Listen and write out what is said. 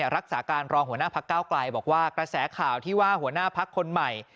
รักษาการรองหัวหน้าพักเก้าไกลบอกว่ากระแสข่าวที่ว่าหัวหน้าพักคนใหม่